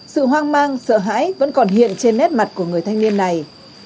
sự hoang mang sợ hãi vẫn còn hiện trên nét mặt của người thanh niên này